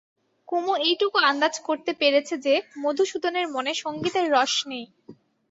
কুমু এইটুকু আন্দাজ করতে পেরেছে যে, মধুসূদনের মনে সংগীতের রস নেই।